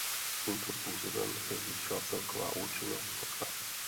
Tímto způsobem se zvýšila celková účinnost kotle.